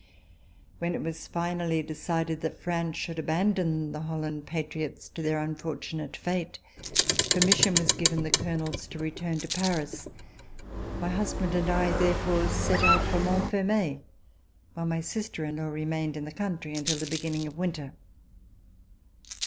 When it was finally decided that France should abandon the Holland patriots to their unfortunate fate, permission was given the Colonels to return to Paris. My husband and I therefore set out for Montfermeil, while my sister in law remained in the country until the beginning of winter.